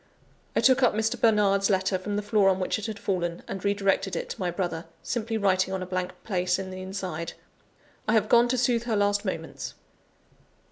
I took up Mr. Bernard's letter from the floor on which it had fallen, and re directed it to my brother; simply writing on a blank place in the inside, "I have gone to soothe her last moments."